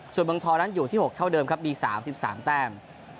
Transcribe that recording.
ส่วนเมืองทองนั้นอยู่ที่๖เท่าเดิมครับมี๓๓แต้ม